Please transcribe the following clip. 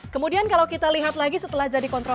kemudian kalau kita lihat lagi setelah jadi konten ya